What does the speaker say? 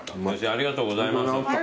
ありがとうございます。